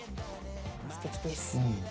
すてきです。